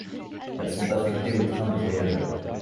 Elles sont affectées aux trains de voyageurs.